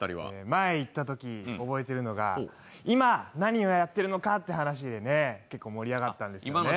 前行ったとき覚えてるのが、今何をやっているのかという話で結構、盛り上がったんですけどね。